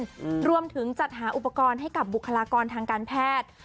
ก็ร่วมมอบเงินสมทบทุนรวมถึงจัดหาอุปกรณ์ให้กับบุคลากรทางการแพทย์